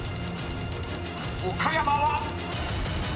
［岡山は⁉］